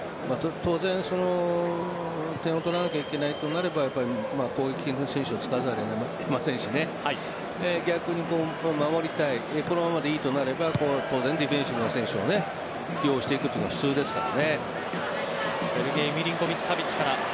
当然、その点を取らなければいけないとなれば攻撃的な選手を使わざるをえませんし逆に守りたいこのままでいいとなれば当然、ディフェンスの選手を起用していくのが普通ですからね。